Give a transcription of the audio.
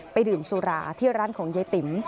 ดื่มสุราที่ร้านของยายติ๋ม